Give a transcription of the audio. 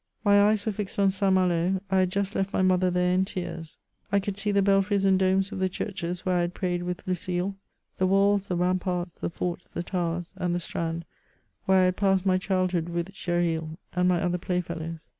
My eyes were fixed on Si^ CHATEAUBRIAND. 229 Malo ; I had just left my mother there in tears ; I could see the belfries and domes of the churches where I had prayed with Ludle, the walls, the ramparts, the forts, the towers, and the str&nd, where I had passed my childhood with Gresril and my other play fellows.